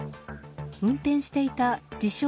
運転していた自称